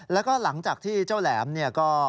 แล้วก็หลังจากที่เจ้าแหลมเนี่ยก็